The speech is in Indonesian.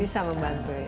bisa membantu ya